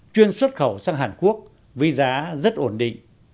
chuyên xuất khẩu sang hàn quốc với giá rất ổn định